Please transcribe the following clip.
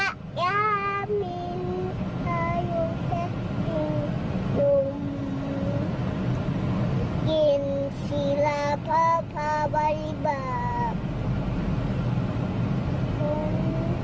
ภาพุทธศักดิ์ชันห่วงบาลแฮบิ้งชูภาพภาพันธ์ศักดิ์ศักดิ์ตรงไกลตรงเทพีสังหวังวันนี้หากมีใครก็จะทำว่าใครจะอยู่